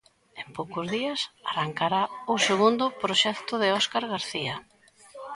En poucos días arrancará o segundo proxecto de Óscar García.